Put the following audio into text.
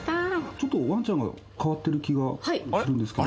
ちょっとワンちゃんが変わってる気がするんですけど。